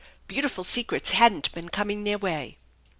Beautiful secrets hadn't been coming their way.